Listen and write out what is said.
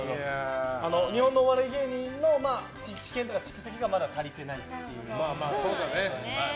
日本のお笑い芸人の蓄積がまだ足りてないという。